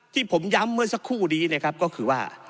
ที่ผมย้ำเมื่อสักครู่นี้นะครับก็คือว่า